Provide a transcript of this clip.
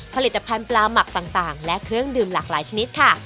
ผลิตภัณฑ์ปลาหมักต่างและเครื่องดื่มหลากหลายชนิดค่ะ